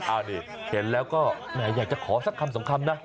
อันนี้เห็นแล้วก็แหมอยากจะขอสักคำสองคำนะ